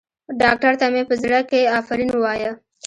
ډاکتر ته مې په زړه کښې افرين ووايه.